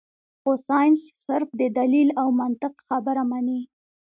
خو سائنس صرف د دليل او منطق خبره مني -